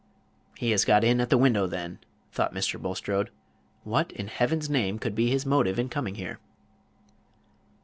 "He has got in at the window, then," thought Mr. Bulstrode. "What, in Heaven's name, could be his motive in coming here?"